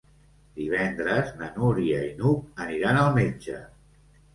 Divendres na Núria i n'Hug aniran al metge.